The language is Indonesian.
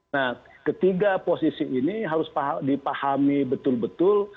nah ketiga posisi ini harus dipahami betul betul